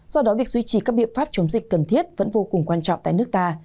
do đó việc duy trì các biện pháp chống dịch cần thiết vẫn vô cùng quan trọng tại nước ta